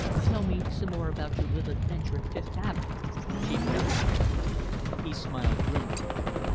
"Tell me some more about your little adventure in Fifth Avenue?" she begged. He smiled grimly.